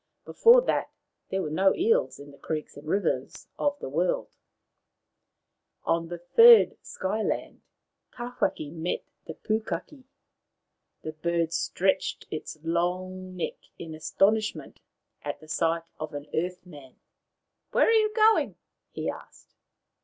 Before that there were no eels in the creeks and rivers of the world. On the third Sky land Tawhaki met the Pukaki. The bird stretched its long neck in astonishment at the sight of an earth man. " Where are you going ?" he asked.